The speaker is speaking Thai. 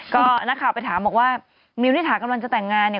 ก็นักข่าวไปถามบอกว่ามิวนิถากำลังจะแต่งงานเนี่ย